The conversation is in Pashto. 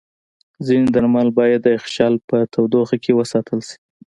ځینې درمل باید د یخچال په تودوخه کې وساتل شي.